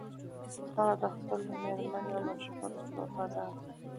هغه د خپلې مېرمنې او ماشومانو سره وفاداره ده